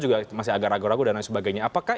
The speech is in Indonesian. juga masih agak ragu ragu dan lain sebagainya apakah